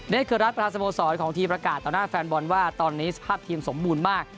เครือรัฐประธานสโมสรของทีมประกาศต่อหน้าแฟนบอลว่าตอนนี้สภาพทีมสมบูรณ์มาก